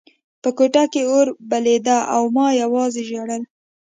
په کوټه کې اور بلېده او ما یوازې ژړل